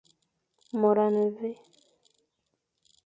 Môr a ne mvè.